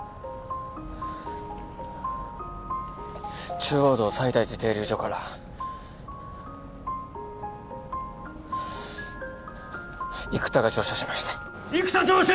中央道西大寺停留所から生田が乗車しました生田乗車！